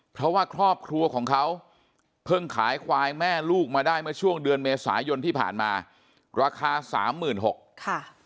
เพราะว่าครอบครัวของเขาเพิ่งขายควายแม่ลูกมาได้เมื่อช่วงเดือนเมษายนที่ผ่านมาราคาสามหมื่นหกค่ะ